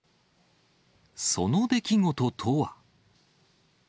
その出来事とは。